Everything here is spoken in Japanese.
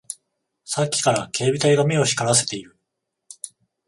さっきから警備隊が目を光らせている